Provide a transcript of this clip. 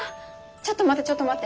ちょっと待ってちょっと待って。